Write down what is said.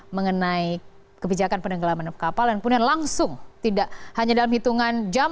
mengenai kebijakan penenggelaman kapal yang kemudian langsung tidak hanya dalam hitungan jam